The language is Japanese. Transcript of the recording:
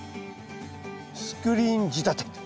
スクリーン仕立てと。